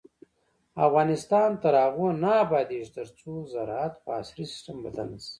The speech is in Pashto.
افغانستان تر هغو نه ابادیږي، ترڅو زراعت په عصري سیستم بدل نشي.